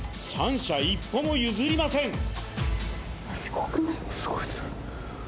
三者一歩も譲りません